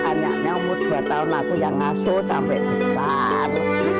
anaknya umur dua tahun laku yang ngasut sampai ke depan